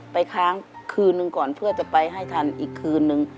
ค้างคืนหนึ่งก่อนเพื่อจะไปให้ทันอีกคืนนึง